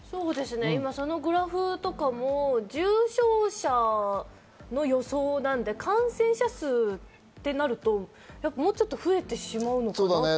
そのグラフとかも、重症者の予想なんで、感染者数ってなるともうちょっと増えてしまうのかなって。